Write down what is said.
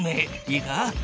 いいか。